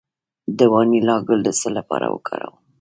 د وانیلا ګل د څه لپاره وکاروم؟